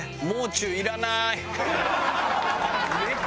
もう中いらない。